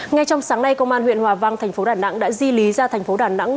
ngay trong sáng nay công an huyện hòa vang thành phố đà nẵng đã di lý ra thành phố đà nẵng